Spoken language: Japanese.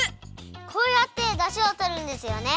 こうやってだしをとるんですよね。